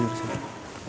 ya si sama dia